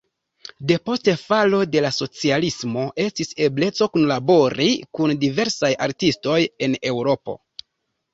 Depost falo de la socialismo estis ebleco kunlabori kun diversaj artistoj en Eŭropo.